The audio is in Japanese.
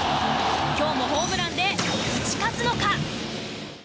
今日もホームランで打ち勝つのか？